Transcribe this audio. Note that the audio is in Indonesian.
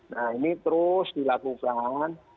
nah ini terus dilakukan